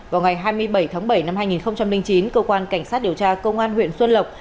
vào ngày hai mươi bảy tháng bảy năm hai nghìn chín cơ quan cảnh sát điều tra công an huyện xuân lộc